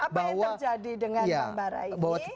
apa yang terjadi dengan bang bara ini